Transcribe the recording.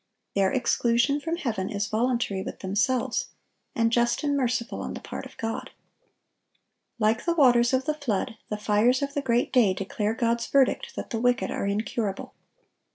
Their exclusion from heaven is voluntary with themselves, and just and merciful on the part of God. Like the waters of the flood, the fires of the great day declare God's verdict that the wicked are incurable.